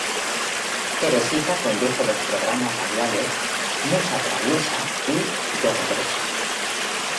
Teresita condujo los programas radiales "Musa traviesa" y "De regreso".